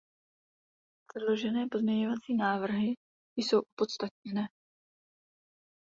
Předložené pozměňovací návrhy jsou opodstatněné.